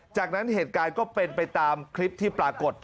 จากนั้นเหตุการณ์ก็เป็นไปตามคลิปที่ปรากฏ